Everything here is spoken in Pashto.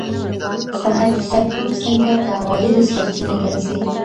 صنعتي سکتور څنګه د عوایدو سرچینه ګرځي؟